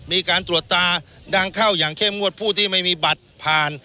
มีการตรวจตาดังเข้าอย่างเข้มงวดผู้ที่ไม่มีบัตรผ่าน